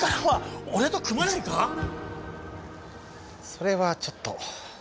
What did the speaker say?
それはちょっと。